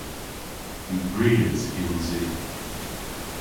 Dibries yns i.